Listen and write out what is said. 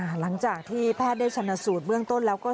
หลังจากที่แพทย์ได้ชนะสูตรเบื้องต้นแล้วก็